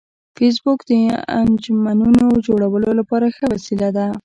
فېسبوک د انجمنونو جوړولو لپاره ښه وسیله ده